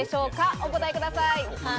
お答えください。